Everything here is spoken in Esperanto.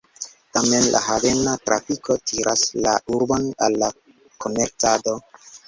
Tamen la havena trafiko tiras la urbon al la komercado.